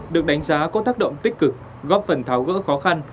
được đánh giá có tác động tích cực góp phần tháo gỡ khó khăn